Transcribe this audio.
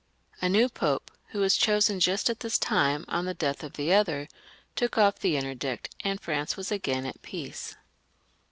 A new Pope, who was chosen just at this time, on the death of the other, took off the interdict, and France was again at peace.